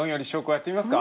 やってみますか。